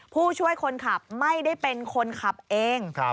ผู้ช่วยคนขับไม่ได้เป็นคนขับเอง